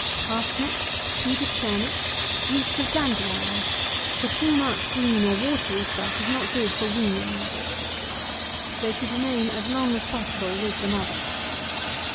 Parsnips, Swedish turnips, roots of dandelion; for too much green or watery stuff is not good for weaning rabbits. They should remain as long as possible with the mother.